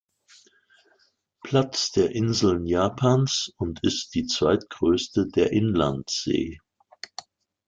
Platz der Inseln Japans und ist die zweitgrößte der Inlandsee.